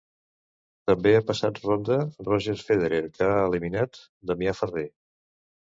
També ha passat ronda Roger Federer, que ha eliminat Damià Ferrer.